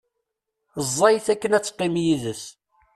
Ẓẓayet akken ad teqqim yid-s.